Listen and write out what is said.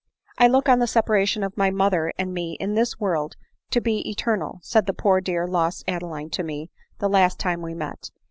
" c I look on the separation of my mother and me in this world to be eternal,' said the poor dear lost Adeline to me, the last time we met.